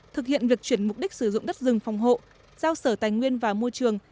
thực hiện việc chuyển mục đích sử dụng đất rừng phòng hộ giao sở tài nguyên và môi trường